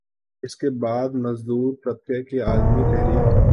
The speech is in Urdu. اسکے بعد مزدور طبقے کی عالمی تحریک